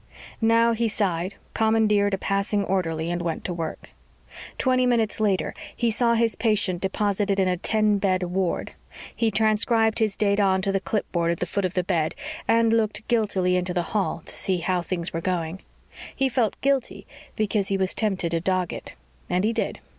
Now he sighed, commandeered a passing orderly, and went to work. Twenty minutes later he saw his patient deposited in a ten bed ward. He transcribed his data onto the clipboard at the foot of the bed, and looked guiltily into the hall to see how things were going. He felt guilty because he was tempted to dog it. And he did.